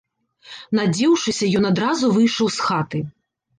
Надзеўшыся, ён адразу выйшаў з хаты.